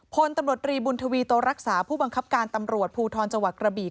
พลตำรวจรีบุญทวีโตรักษาผู้บังคับการตำรวจภูทรจังหวัดกระบี่